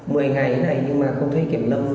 mười ngày thế này nhưng mà không thấy kiểm lâm